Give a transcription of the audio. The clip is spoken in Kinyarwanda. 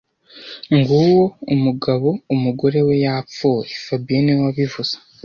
Nguwo umugabo umugore we yapfuye fabien niwe wabivuze